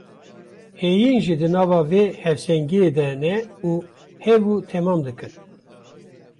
Heyîn jî di nava vê hevsengiyê de ne û hev û temam dikin.